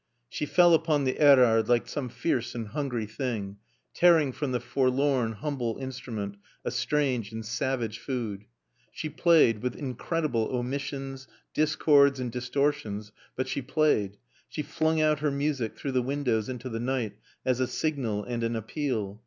She fell upon the Erard like some fierce and hungry thing, tearing from the forlorn, humble instrument a strange and savage food. She played with incredible omissions, discords and distortions, but she played. She flung out her music through the windows into the night as a signal and an appeal.